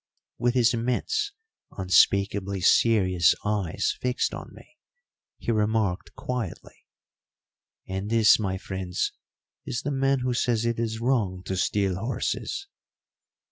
With his immense, unspeakably serious eyes fixed on me, he remarked quietly, "And this, my friends, is the man who says it is wrong to steal horses!"